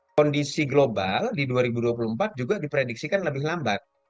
kondisi global di dua ribu dua puluh empat juga diprediksikan lebih lambat